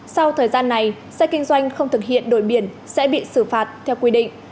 sau thời gian này xe kinh doanh không thực hiện đổi biển sẽ bị xử phạt theo quy định